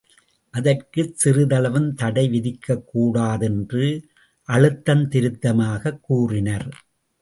அதற்குச் சிறிதளவும் தடை விதிக்கக்கூடாதென்று அழுத்தந்திருத்தமாகக் கூறினர்.